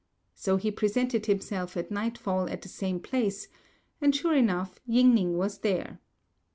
So he presented himself at nightfall at the same place, and sure enough Ying ning was there.